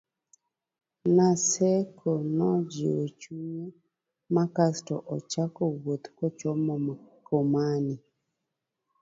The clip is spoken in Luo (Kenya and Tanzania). Naseko nojiwo chunye ma kasto ochako wuoth kochomo Mkomani